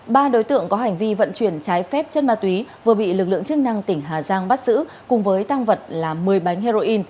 ba đối tượng có hành vi vận chuyển trái phép chất ma túy vừa bị lực lượng chức năng tỉnh hà giang bắt giữ cùng với tăng vật là một mươi bánh heroin